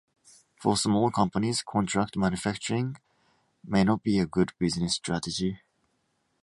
For small companies, contract manufacturing may not be a good business strategy.